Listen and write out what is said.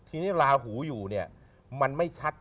ทีนี้ลาหูอยู่มันไม่ชัด